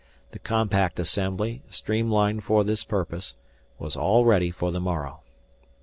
The compact assembly, streamlined for this purpose, was all ready for the morrow.